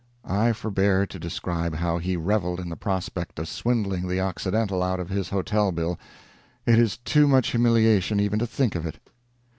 I forbear to describe how he reveled in the prospect of swindling the Occidental out of his hotel bill—it is too much humiliation even to think of it.